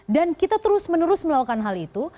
dan kita terus menerus melakukan hal itu